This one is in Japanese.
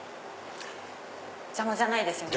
邪魔じゃないですよね。